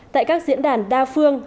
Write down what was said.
tại các diễn đàn đa phương